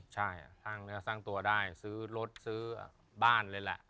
ใช่สร้างเนื้อสร้างตัวได้ซื้อรถซื้อบ้านเลยแหละ